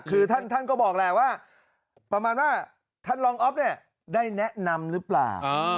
คือท่านก็บอกแหละว่าประมาณว่าท่านรองอ๊อฟเนี่ยได้แนะนำหรือเปล่า